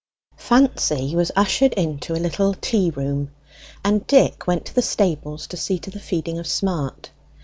Fancy was ushered into a little tea room, and Dick went to the stables to see to the feeding of Smart.